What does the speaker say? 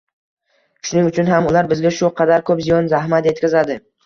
Shuning uchun ham ular bizga shu qadar ko‘p ziyon-zahmat yetkazadi.